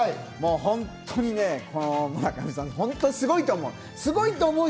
ほんとにね、村上さん、ほんとにすごいと思う。